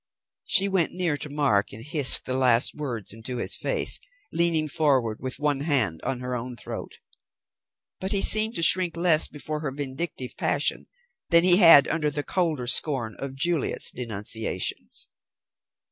She went near to Mark, and hissed the last words into his face, leaning forward, with one hand on her own throat. But he seemed to shrink less before her vindictive passion than he had under the colder scorn of Juliet's denunciations.